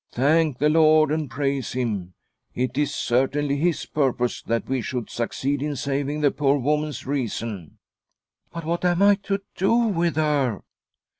Thank the Lord and praise Him ! It is certainly His purpose that we should succeed in saving the poor woman's reason." " But what am I to do with her